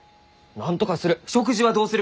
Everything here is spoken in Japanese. なんとかする！